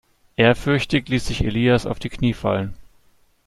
Ehrfürchtig ließ sich Elias auf die Knie fallen.